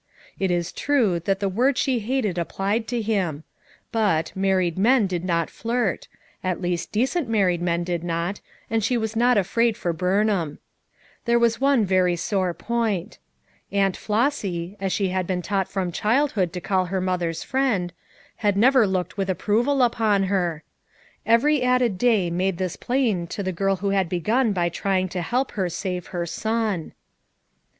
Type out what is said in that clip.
It is true that the word she hated applied to him; but, married men did not flirt ; at least decent married men did not, and she was not afraid for Burnham, There was one very sore point; "Aunt Flossy," as she had been taught from childhood to call her mother's friend — had never looked with approval upon her ; every added day made this plain to the girl who had begun by trying to help her save her son.